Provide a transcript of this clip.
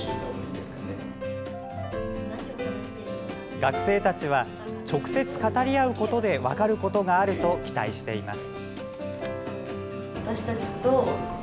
学生たちは直接語り合うことで分かることがあると期待しています。